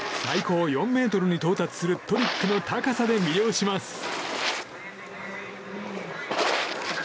最高４ｍに到達するトリックの高さで魅了します。